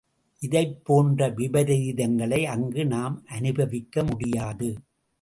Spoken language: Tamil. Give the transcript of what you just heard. இதைப் போன்ற விபரீதங்களை அங்கு நாம் அனுபவிக்க முடியாது.